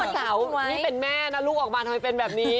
สาวนี่เป็นแม่นะลูกออกมาทำไมเป็นแบบนี้